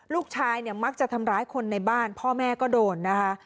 ลูกชายเนี่ยมักจะทำร้ายคนในบ้านพ่อแม่ก็โดนนะคะ